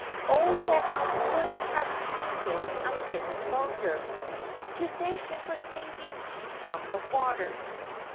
Oh that I could have seen him a minute longer, to thank him for saving me from the water